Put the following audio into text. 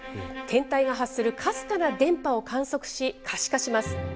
天体が発するかすかな電波を観測し、可視化します。